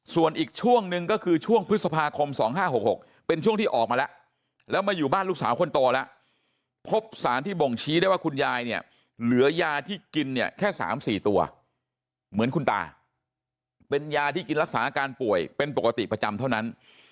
ส่วนอีกช่วงหนึ่งก็คือช่วงพฤษภาคม๒๕๖๖เป็นช่วงที่ออกมาแล้วแล้วมาอยู่บ้านลูกสาวคนโตแล้วพบสารที่บ่งชี้ได้ว่าคุณยายเนี่ยเหลือยาที่กินเนี่ยแค่๓๔ตัวเหมือนคุณตาเป็นยาที่กินรักษาอาการป่วยเป็นปกติประจำเท่านั้น